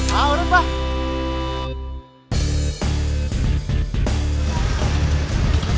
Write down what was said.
hai berubah gitu